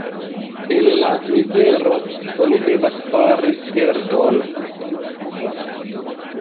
El la mizero oni devas fari virton.